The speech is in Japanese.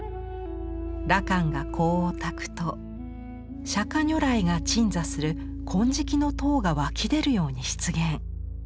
羅漢が香を焚くと釈迦如来が鎮座する金色の塔が湧き出るように出現。